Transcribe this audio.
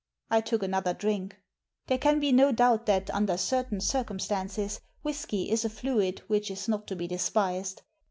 I took another drink. There can be no doubt that, under certain circumstances, whisky is a fluid which is not to be despised.